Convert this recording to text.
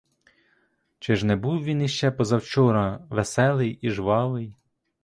Чи ж не був він ще позавчора веселий і жвавий?